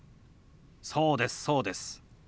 そうですそうです。